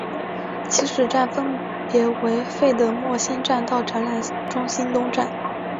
起始站分别为费德莫兴站到展览中心东站。